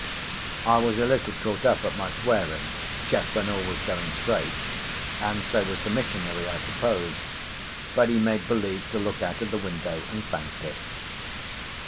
I was a little caught up at my swearing, just when all was going straight; and so was the missionary, I suppose, but he made believe to look out of the window, and thanked us.